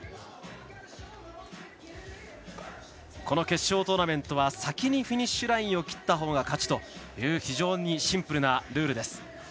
この決勝トーナメントは先にフィニッシュラインを切ったほうが勝ちという非常にシンプルなルールです。